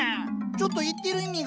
ちょっと言っている意味が。